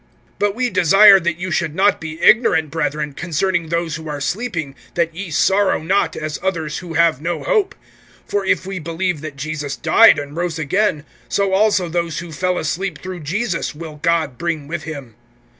(13)But we desire that you should not be ignorant, brethren, concerning those who are sleeping, that ye sorrow not, as others who have no hope. (14)For if we believe that Jesus died and rose again, so also those who fell asleep through Jesus will God bring with him.